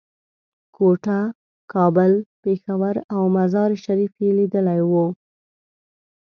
کوټه، کابل، پېښور او مزار شریف یې لیدلي وو.